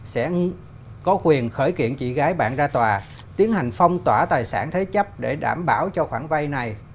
sẽ có quyền khởi kiện chị gái bạn ra tòa tiến hành phong tỏa tài sản thế chấp để đảm bảo cho khoản vay này